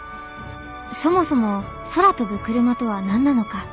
そもそも空飛ぶクルマとは何なのか？